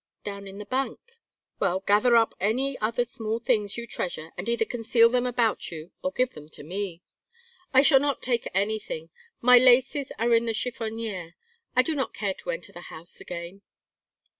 "Down in the bank." "Well, gather up any other small things you treasure, and either conceal them about you or give them to me." "I shall not take anything. My laces are in the chiffonnière. I do not care to enter the house again."